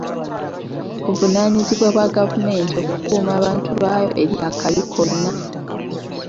Buvunaanyizibwa bwa gavumenti okukuuma abantu baayo eri akabi konna.